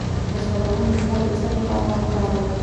د شلغم ریښه د څه لپاره وکاروم؟